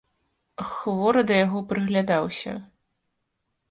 Хворы да яго прыглядаўся.